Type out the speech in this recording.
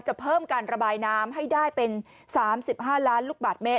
จะเพิ่มการระบายน้ำให้ได้เป็น๓๕ล้านลูกบาทเมตร